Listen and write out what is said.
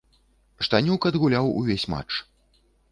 Штанюк адгуляў увесь матч.